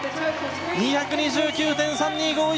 ２２９．３２５１！